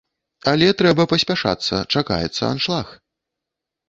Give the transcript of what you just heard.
Але трэба паспяшацца, чакаецца аншлаг.